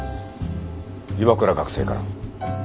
岩倉学生から。